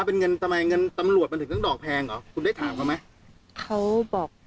เป็นเงินใหม่เงินตำรวจมันถึงกับดอกแพงเหรอคุณได้ถามว่ะมั้ยเขาบอก